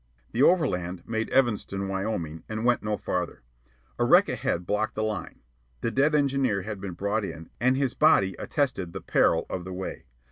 The overland made Evanston, Wyoming, and went no farther. A wreck ahead blocked the line. The dead engineer had been brought in, and his body attested the peril of the way.